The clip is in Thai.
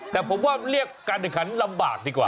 แต่ผมว่าเรียกการแข่งขันลำบากดีกว่า